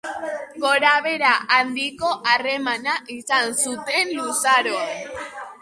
Gorabehera handiko harremana izan zuten luzaroan.